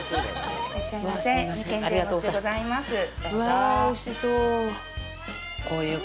うわぁ、おいしそう！